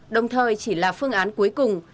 đồng thời chỉ là phương án cuối cùng